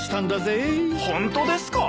ホントですか？